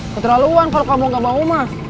keterlaluan kalau kamu gak mau mas